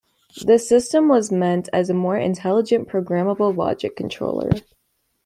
This system was meant as a more intelligent programmable logic controller.